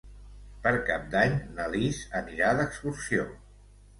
Per Cap d'Any na Lis anirà d'excursió.